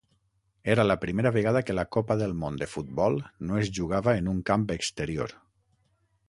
Era la primera vegada que la Copa del Món de Futbol no es jugava en un camp exterior.